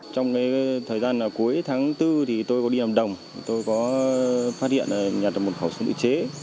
trong thời gian cuối tháng bốn tôi có đi làm đồng tôi có phát hiện là nhận được một khẩu súng tự chế